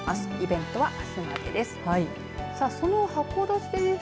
イベントは、あすまでです。